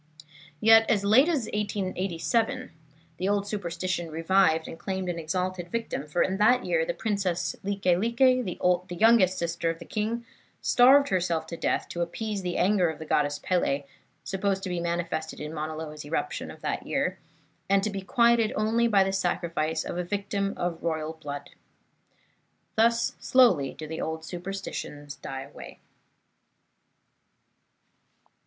Yet as late as 1887 the old superstition revived and claimed an exalted victim, for in that year the Princess Like Like, the youngest sister of the king, starved herself to death to appease the anger of the Goddess Pele, supposed to be manifested in Mauna Loa's eruption of that year, and to be quieted only by the sacrifice of a victim of royal blood. Thus slowly do the old superstitions die away.